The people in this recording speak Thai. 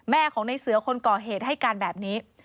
ของในเสือคนก่อเหตุให้การแบบนี้